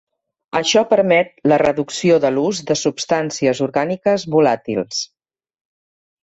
Això permet la reducció de l'ús de substàncies orgàniques volàtils.